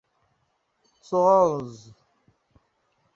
tụọ nzu